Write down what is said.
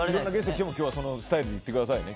今日はそのスタイルでいってくださいね。